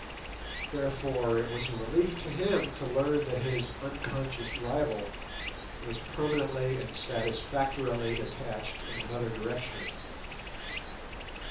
Therefore it was a relief to him to learn that his unconscious rival was permanently and satisfactorily attached in another direction.